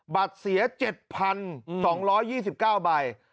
บัตรเสีย๗๒๒๙ใบ